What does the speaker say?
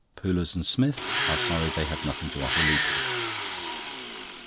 Poolers and Smith are sorry they have nothing to offer Lupin.